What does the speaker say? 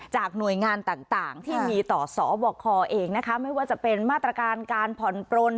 หน่วยงานต่างที่มีต่อสบคเองนะคะไม่ว่าจะเป็นมาตรการการผ่อนปลน